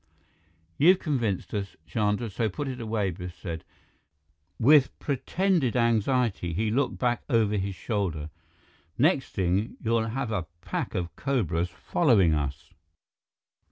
"You've convinced us, Chandra, so put it away," Biff said. With pretended anxiety, he looked back over his shoulder. "Next thing, you'll have a pack of cobras following us!"